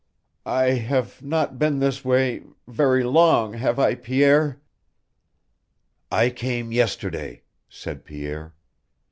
"I have not been this way very long, have I, Pierre?" "I came yesterday," said Pierre.